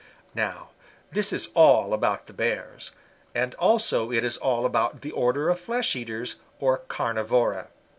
"Now this is all about the Bears, and also it is all about the order of flesh eaters, or Carnivora.